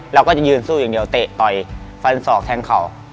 เราก็จะยืนสู้อย่างเดียวเตะต่อยฟันศอกแทงเข่า